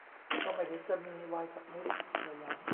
'ก็ไม่เห็นจะมีไวน์สักนิด' เธอย้ำ